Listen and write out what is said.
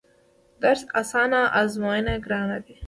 درس اسان ازمون يې ګران دی